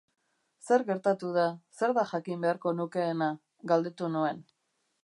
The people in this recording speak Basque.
Zer gertatu da, zer da jakin beharko nukeena?, galdetu nuen.